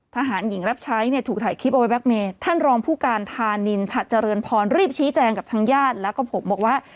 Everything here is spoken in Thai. ทหารหญิงรับใช้เนี่ยถูกถ่ายคลิปเอาไว้แก๊กเมย์ท่านรองผู้การธานินฉัดเจริญพรรีบชี้แจงกับทางญาติแล้วก็ผมบอกว่า